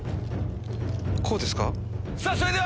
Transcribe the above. こうですか？